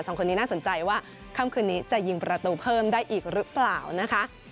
สองคนนี้น่าสนใจว่าค่ำคืนนี้จะยิงประตูเพิ่มได้อีกหรือเปล่านะคะ